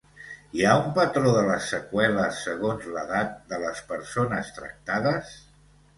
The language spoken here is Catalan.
Hi ha un patró de les seqüeles segons l’edat de les persones tractades?